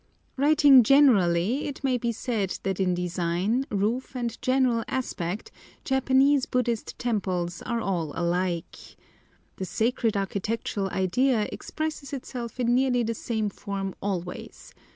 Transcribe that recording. Writing generally, it may be said that in design, roof, and general aspect, Japanese Buddhist temples are all alike. The sacred architectural idea expresses itself in nearly the same form always.